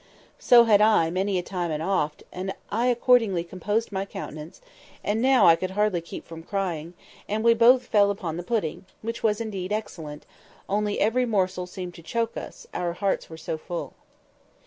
So had I, many a time and oft, and I accordingly composed my countenance (and now I could hardly keep from crying), and we both fell to upon the pudding, which was indeed excellent—only every morsel seemed to choke us, our hearts were so full.